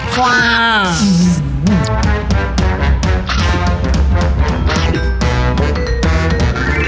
ความ